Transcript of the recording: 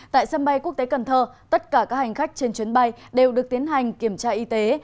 tại sân bay quốc tế cần thơ tất cả các hành khách trên chuyến bay đều được tiến hành kiểm tra y tế